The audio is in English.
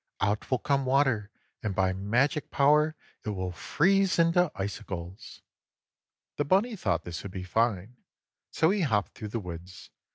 Out will come water, and by magic power it will freeze into icicles." The bunny thought this would be fine. So he hopped through the woods.